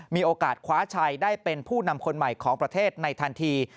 มีโอกาสคว้าชัยได้เป็นผู้นำคนใหม่ของประเทศในทันที